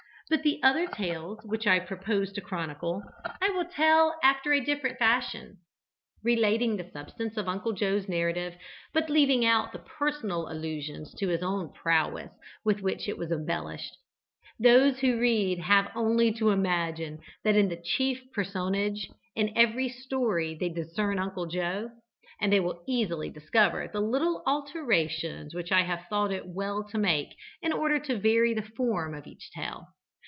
But the other tales which I propose to chronicle I will tell after a different fashion, relating the substance of Uncle Joe's narrative, but leaving out the personal allusions to his own prowess with which it was embellished. Those who read have only to imagine that in the chief personage in every story they discern Uncle Joe, and they will easily discover the little alterations which I have thought it well to make in order to vary the form of each tale.